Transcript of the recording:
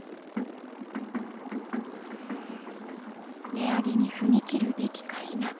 値上げに踏み切るべきか否か。